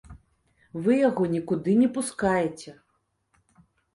Вы яго нікуды не пускаеце.